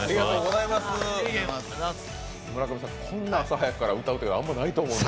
村上さん、こんな朝早くから歌うってあまりないと思います。